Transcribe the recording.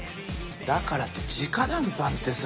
だからって直談判ってさ。